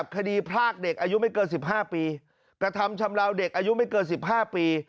คดีพรากเด็กอายุไม่เกิน๑๕ปีกระทำชำราวเด็กอายุไม่เกิน๑๕ปี